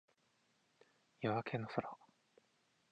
夜明けの空